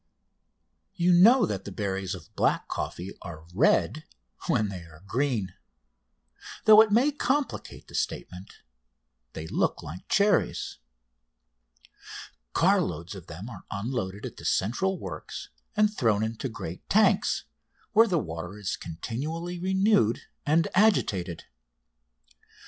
You know that the berries of black coffee are red when they are green. Though it may complicate the statement, they look like cherries. Car loads of them are unloaded at the central works and thrown into great tanks, where the water is continually renewed and agitated.